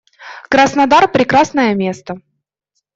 Краснодар - прекрасное место.